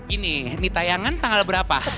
ini ini tayangan tanggal berapa